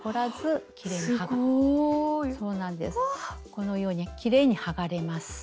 このようにきれいに剥がれます。